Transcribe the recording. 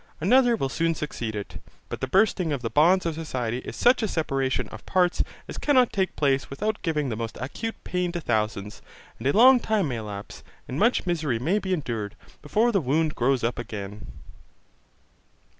Another will soon succeed it. But the bursting of the bonds of society is such a separation of parts as cannot take place without giving the most acute pain to thousands: and a long time may elapse, and much misery may be endured, before the wound grows up again.